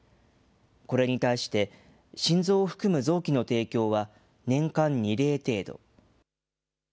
これに対して、心臓を含む臓器の提供は年間２例程度。